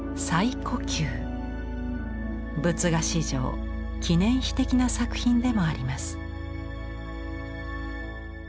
仏画史上記念碑的な作品でもあります。